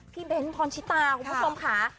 เบ้นพรชิตาคุณผู้ชมค่ะ